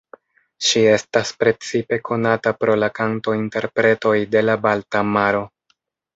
Ŝi estas precipe konata pro la kanto-interpretoj de la Balta Maro.